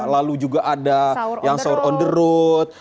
lalu juga ada yang sahur on the road